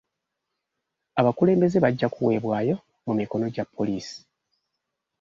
Abakulembeze bajja kuweebwayo mu mikono gya poliisi.